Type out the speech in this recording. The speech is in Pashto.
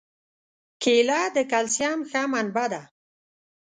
کېله د کلسیم ښه منبع ده.